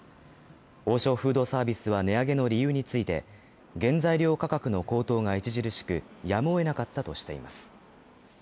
王将フードサービスは値上げの理由について、原材料価格の高騰が著しくやむをえなかったとしています。